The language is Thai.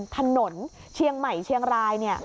ถนนเชียงใหม่เชียงรายเนี่ย